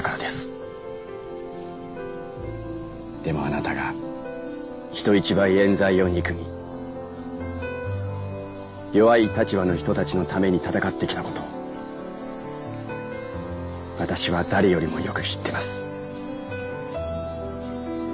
でもあなたが人一倍冤罪を憎み弱い立場の人たちのために闘ってきた事を私は誰よりもよく知ってます。